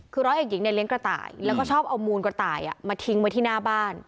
คือร้อยเอกหญิงเนี่ยเลี้ยงกระต่ายแล้วก็ชอบเอามูลกระต่ายมาทิ้งไว้ที่หน้าบ้าน